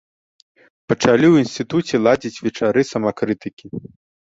Пачалі ў інстытуце ладзіць вечары самакрытыкі.